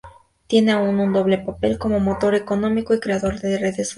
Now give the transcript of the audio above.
Tiene así un doble papel, como motor económico y creador de redes sociales.